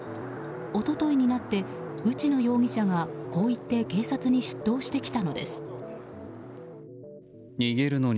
一昨日になって、内野容疑者がこう言って警察に出頭してきたのです。